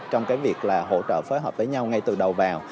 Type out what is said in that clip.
trong cái việc là hỗ trợ phối hợp với nhau ngay từ đầu vào